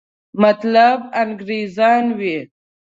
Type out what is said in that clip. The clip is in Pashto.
مطلب انګریزان وي.